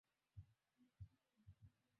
kinachofahamika kama radio d